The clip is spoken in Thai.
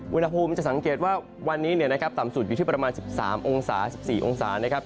อุณหภูมิจะสังเกตว่าวันนี้ต่ำสุดอยู่ที่ประมาณ๑๓องศา๑๔องศานะครับ